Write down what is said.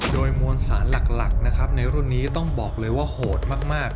โดยมวลสารหลักนะครับในรุ่นนี้ต้องบอกเลยว่าโหดมาก